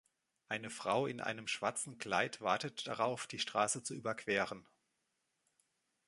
Eine Frau in einem schwarzen Kleid wartet darauf, die Straße zu überqueren.